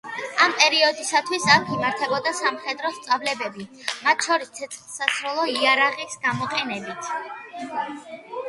ამ პერიოდისათვის აქ იმართებოდა სამხედრო სწავლებები, მათ შორის ცეცხლსასროლი იარაღის გამოყენებით.